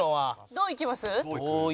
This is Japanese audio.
どういきます？